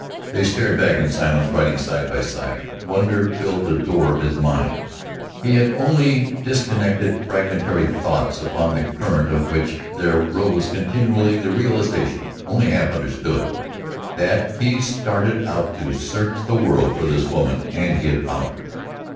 They started back in silence, riding side by side. Wonder filled the door of his mind; he had only disconnected, fragmentary thoughts, upon the current of which there rose continually the realization, only half understood, that he started out to search the world for this woman, and he had found her.